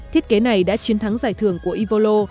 thiết kế này đã chiến thắng giải thưởng của ivolo